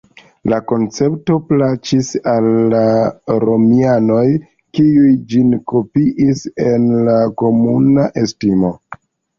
La koncepto plaĉis al la romianoj kiuj ĝin kopiis en la komuna estimo.